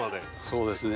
そうですね。